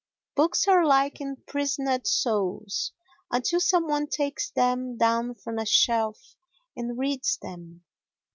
Books are like imprisoned souls until some one takes them down from a shelf and reads them.